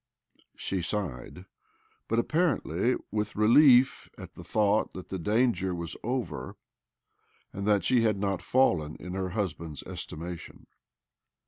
She sighed, but, apparently, with reUef at the thought that the danger was over, and that she had not fallen in her husband's estimatioд